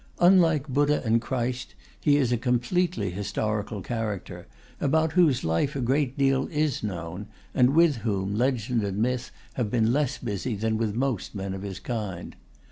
Unlike Buddha and Christ, he is a completely historical character, about whose life a great deal is known, and with whom legend and myth have been less busy than with most men of his kind.